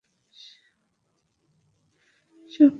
সব মিডিয়ার কানে এটা দিয়ে দাও।